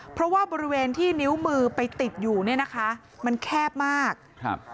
เพราะว่าบริเวณที่นิ้วมือไปติดอยู่เนี่ยนะคะมันแคบมากครับ